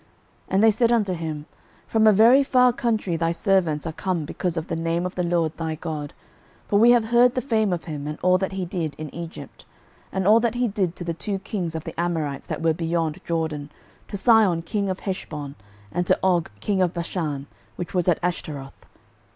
06:009:009 And they said unto him, From a very far country thy servants are come because of the name of the LORD thy God: for we have heard the fame of him, and all that he did in Egypt, 06:009:010 And all that he did to the two kings of the Amorites, that were beyond Jordan, to Sihon king of Heshbon, and to Og king of Bashan, which was at Ashtaroth.